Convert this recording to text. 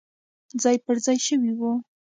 ځای پر ځای شوي وو.